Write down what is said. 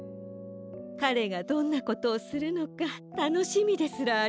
かれがどんなことをするのかたのしみですらありました。